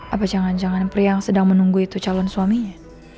apa jangan jangan pria yang sedang menunggu itu calon suaminya